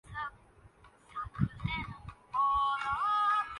آدمی سمجھتا ہے کہ وہ خدا ہے